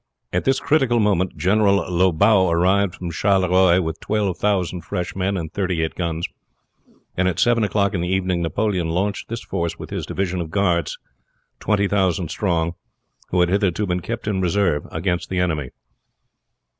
At this critical moment General Lobau arrived from Charleroi with twelve thousand fresh men and thirty eight guns, and at seven o'clock in the evening Napoleon launched this force with his division of guards, twenty thousand strong, who had hitherto been kept in reserve, against the enemy.